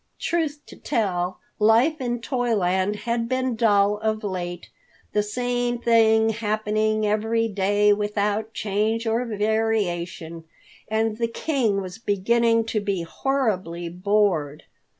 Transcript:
Truth to tell, life in Toyland had been dull of late, the same thing happening every day without change or variation, and the King was beginning to be horribly bored.